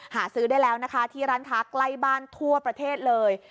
หาซื้อได้แล้วนะคะที่ร้านค้าใกล้บ้านทั่วประเทศเลย